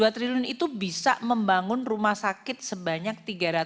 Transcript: lima ratus dua triliun itu bisa membangun rumah sakit sebanyak tiga tiga ratus tiga puluh tiga